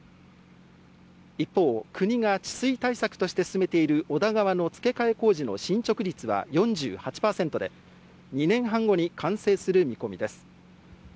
一方、国が治水対策として進めている小田川の付け替え工事の進捗率は４８％で、２年半後に完成する見込みです。